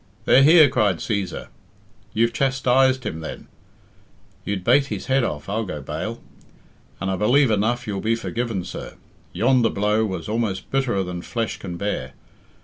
"They're here," cried Cæsar. "You've chastised him, then! You'd bait his head off, I'll go bail. And I believe enough you'll be forgiven, sir. Yonder blow was almost bitterer than flesh can bear.